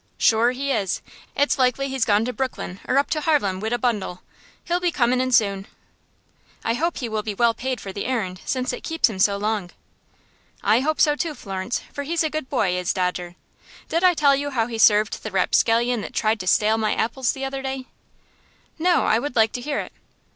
"Shure he is. It's likely he's gone to Brooklyn or up to Harlem, wid a bundle. He'll be comin' in soon." "I hope he will be well paid for the errand, since it keeps him so long." "I hope so, too, Florence, for he's a good boy, is Dodger. Did I tell you how he served the rapscallion that tried to stale my apples the other day?" "No; I would like to hear it."